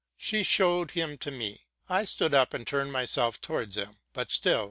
She showed him to me: I stood up, and turned myself towards him, but stil!